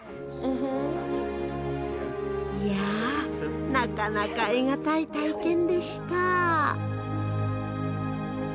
いやなかなか得難い体験でした。